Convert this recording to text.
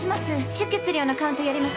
出血量のカウントやります